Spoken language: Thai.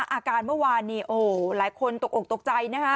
อาการเมื่อวานนี้หลายคนตกออกตกใจ